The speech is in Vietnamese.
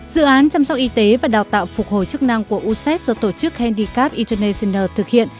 dự án chăm sóc y tế và đào tạo phục hồi chức năng của used do tổ chức hendy capeationer thực hiện